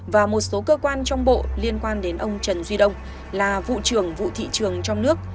và một số cơ quan trong bộ liên quan đến ông trần duy đông là vụ trưởng vụ thị trường trong nước